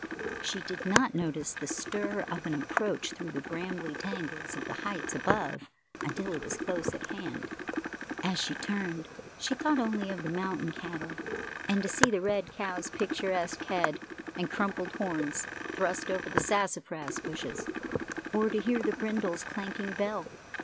She did not notice the stir of an approach through the brambly tangles of the heights above until it was close at hand; as she turned, she thought only of the mountain cattle and to see the red cow's picturesque head and crumpled horns thrust over the sassafras bushes, or to hear the brindle's clanking bell.